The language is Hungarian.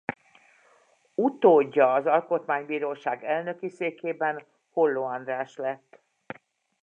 Utódja az Alkotmánybíróság elnöki székében Holló András lett.